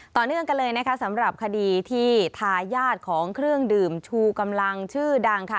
ต่อเนื่องกันเลยนะคะสำหรับคดีที่ทายาทของเครื่องดื่มชูกำลังชื่อดังค่ะ